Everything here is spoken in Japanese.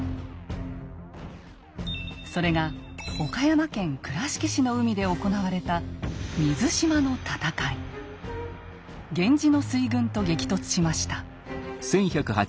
それが岡山県倉敷市の海で行われた源氏の水軍と激突しました。